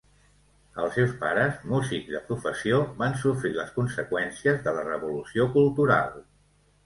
Els seus pares, músics de professió van sofrir les conseqüències de la Revolució Cultural.